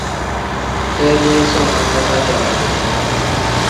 Deedee soona-dee ajalaaza foo -daa.